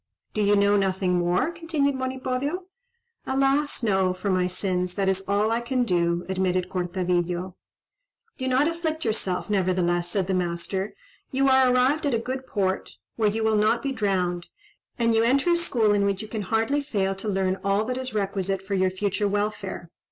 "Do you know nothing more?" continued Monipodio. "Alas, no, for my sins, that is all I can do," admitted Cortadillo, "Do not afflict yourself, nevertheless," said the master; "you are arrived at a good port, where you will not be drowned, and you enter a school in which you can hardly fail to learn all that is requisite for your future welfare.